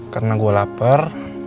terima kasih mbak